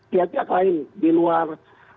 pihak pihak lain di luar